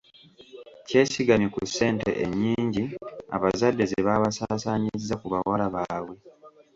Kyesigamye ku ssente ennyingi abazadde ze baba basaasaanyizza ku bawala baabwe.